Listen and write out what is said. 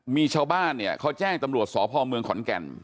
มีชาวบ้านเขาแจ้งตำลวจสอบพรมเมืองขนแก่น